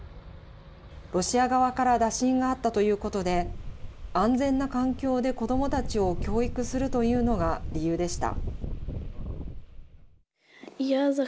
ロシア側から打診があったということで安全な環境で子どもたちを教育するというのが理由でした。